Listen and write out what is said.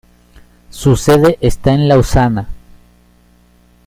Su sede está en Lausana.